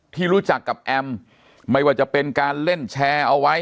ที่รู้จักกับแอมไม่ว่าจะเป็นการเล่นแชร์เอาไว้